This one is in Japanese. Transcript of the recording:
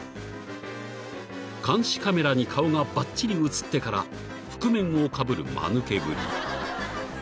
［監視カメラに顔がばっちり写ってから覆面をかぶる間抜けぶり］